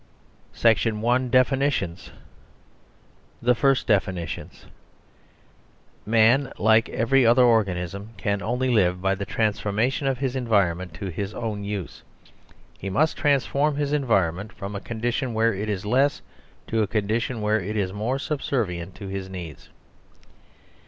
SECTION ONE DEFINITIONS SECTION THE FIRST DEFINITIONS MAN, LIKE EVERY OTHER ORGANISM, can only live by the transformation of his environ ment to his own use. He must transform his en vironment from a condition where it is less to a con dition where it is more subservient to his needs.